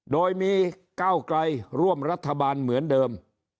โดยมีก้าวไกลร่วมรัฐบาลเหมือนเดิม